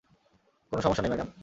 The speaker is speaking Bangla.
কোন সমস্যা নেই ম্যাডাম।